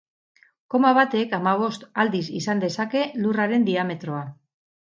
Koma batek hamabost aldiz izan dezake Lurraren diametroa.